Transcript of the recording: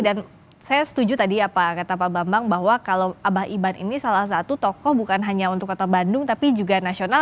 dan saya setuju tadi ya pak kata pak bambang bahwa kalau abah iban ini salah satu tokoh bukan hanya untuk kota bandung tapi juga nasional